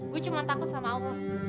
gue cuma takut sama allah